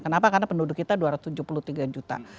kenapa karena penduduk kita dua ratus tujuh puluh tiga juta